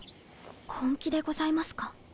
本気でございますか？